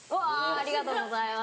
ありがとうございます。